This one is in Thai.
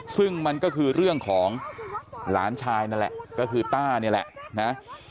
ซึ่งมันก็คือเรื่องของหลานชายนั่นแหละก็คือต้านี่แหละนะ